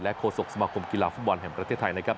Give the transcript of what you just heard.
โฆษกสมาคมกีฬาฟุตบอลแห่งประเทศไทยนะครับ